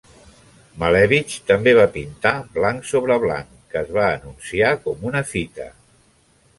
Malèvitx també va pintar "Blanc sobre blanc" , que es va anunciar com una fita.